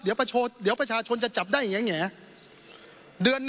เดี๋ยวประชาชนจะจับได้แง่